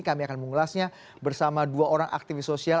kami akan mengulasnya bersama dua orang aktivis sosial